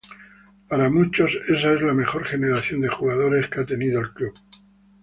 Para muchos esa es la mejor generación de jugadores que ha tenido el club.